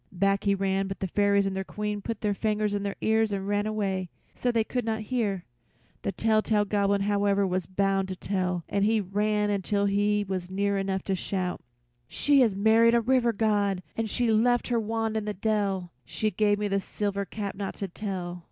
Back he ran, but the fairies and their Queen put their fingers in their ears and ran away, so they could not hear. The telltale Goblin, however, was bound to tell, and he ran until he was near enough to shout: "She has married a River God and she left her wand in the dell; they gave me this silver cap not to tell."